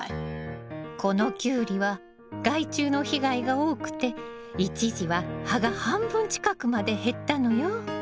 このキュウリは害虫の被害が多くて一時は葉が半分近くまで減ったのよ。